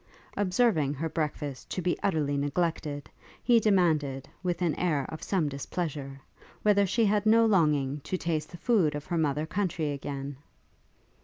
Observing her breakfast to be utterly neglected, he demanded, with an air of some displeasure, whether she had no longing to taste the food of her mother country again?